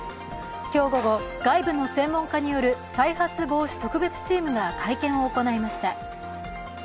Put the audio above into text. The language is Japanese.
今日午後、外部の専門家による再発防止特別チームが会見を行いました。